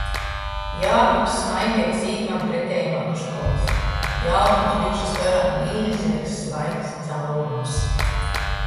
Jākubs smaideigs īt maņ preteimā nu školys. Jaunūs bikšu storā miļzeigs, svaigs caurums.